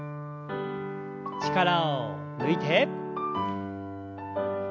力を抜いて。